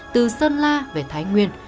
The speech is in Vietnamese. từ sơn la về thái nguyên